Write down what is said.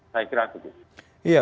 saya kira begitu